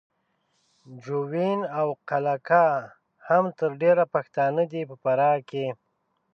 جوین او قلعه کا هم تر ډېره پښتانه دي په فراه کې